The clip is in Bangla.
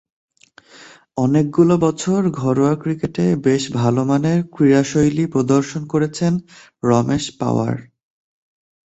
অনেকগুলো বছর ঘরোয়া ক্রিকেটে বেশ ভালোমানের ক্রীড়াশৈলী প্রদর্শন করেছেন রমেশ পাওয়ার।